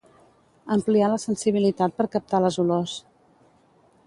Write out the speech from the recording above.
Ampliar la sensibilitat per captar les olors.